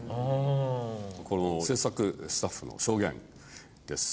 制作スタッフの証言です。